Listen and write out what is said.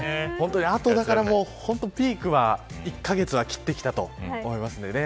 本当にあとピークは１カ月を切ってきたと思います。